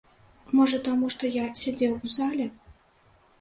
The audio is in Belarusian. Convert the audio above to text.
Можа таму, што я сядзеў у зале!